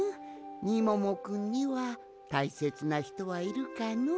みももくんにはたいせつなひとはいるかのう？